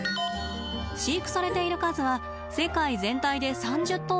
飼育されている数は世界全体で３０頭ほどです。